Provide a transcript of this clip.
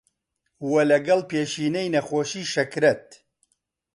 وە لەگەڵ پێشینەی نەخۆشی شەکرەت